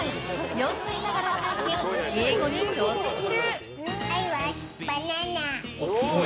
４歳ながら最近、英語に挑戦中。